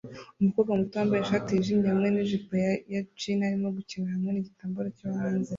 Umukobwa muto wambaye ishati yijimye hamwe nijipo ya jean arimo gukina hamwe nigitambara cyo hanze